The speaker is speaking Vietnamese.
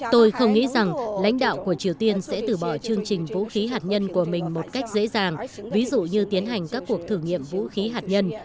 tôi không nghĩ rằng lãnh đạo của triều tiên sẽ từ bỏ chương trình vũ khí hạt nhân của mình một cách dễ dàng ví dụ như tiến hành các cuộc thử nghiệm vũ khí hạt nhân